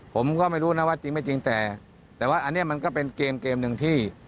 ผมก็ไม่รู้นะว่าจริงไม่จริงแต่แต่ว่าอันนี้มันก็เป็นเกมเกมหนึ่งที่